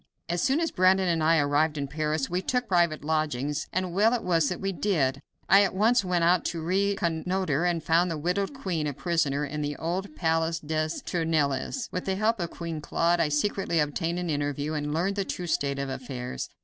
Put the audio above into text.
As soon as Brandon and I arrived in Paris we took private lodgings, and well it was that we did. I at once went out to reconnoiter, and found the widowed queen a prisoner in the old palace des Tournelles. With the help of Queen Claude I secretly obtained an interview, and learned the true state of affairs.